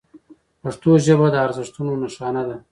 پښتو ژبه د ارزښتونو نښانه ده.